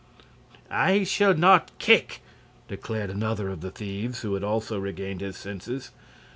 "I shall not kick," declared another of the thieves, who had also regained his senses.